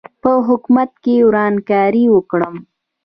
په حکومت کې ورانکاري وکړم.